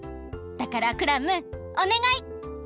だからクラムおねがい！